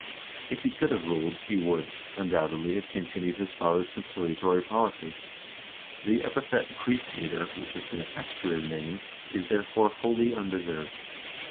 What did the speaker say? If he could have ruled, he would, undoubt edly, have continued his father's conciliatory policy. The epithet "Priest hater" which has been attached to his name is, therefore, wholly undeserved.